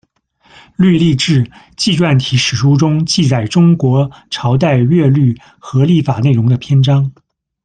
律历志，纪传体史书中，记载中国朝代乐律和历法内容的篇章。